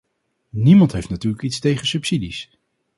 Niemand heeft natuurlijk iets tegen subsidies.